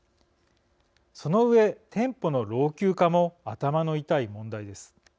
その上、店舗の老朽化も頭の痛い問題です。